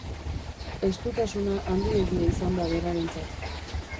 Estutasuna handiegia izan da berarentzat.